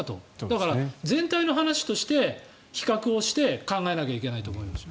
だから、全体の話として比較をして考えなきゃいけないと思います。